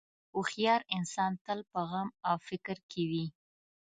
هوښیار انسان تل په غم او فکر کې وي.